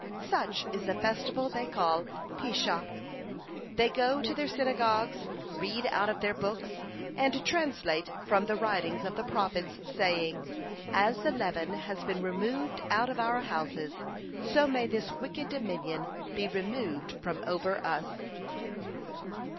Such is the festival they call Pesah. They go to their synagogues, read out of their books, and translate from the writings of the Prophets, saying: 'As the leaven has been removed out of our houses, so may this wicked dominion be removed from over us.'